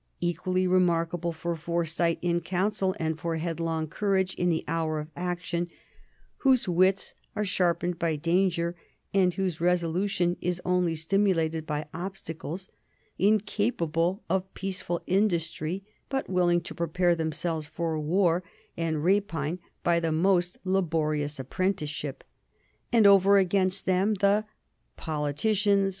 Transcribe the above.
. equally remarkable for foresight in council and for headlong courage in the hour of action, whose wits are sharpened by danger and whose resolution is only stimulated by obstacles; in capable of peaceful industry but willing to prepare themselves for war and rapine by the most laborious apprenticeship"; and over against them "the politi cians